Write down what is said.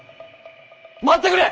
待ってくれ！